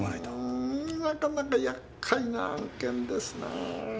うんなかなかやっかいな案件ですなぁ。